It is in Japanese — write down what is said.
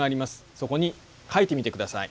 そこに書いてみてください。